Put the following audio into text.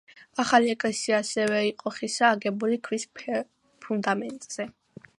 ახალი ეკლესია ასევე იყო ხისა, აგებული ქვის ფუნდამენტზე.